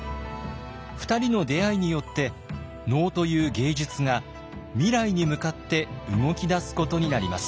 ２人の出会いによって能という芸術が未来に向かって動き出すことになります。